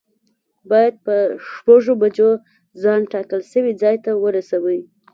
باید په شپږو بجو ځان ټاکل شوي ځای ته ورسوی.